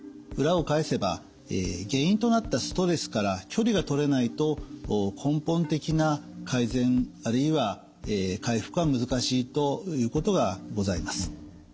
裏を返せば原因となったストレスから距離がとれないと根本的な改善あるいは回復は難しいということがございます。